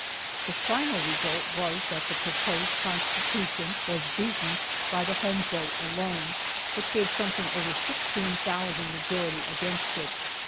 The final result was that the proposed constitution was beaten by the "home vote" alone, which gave something over 16,000 majority against it.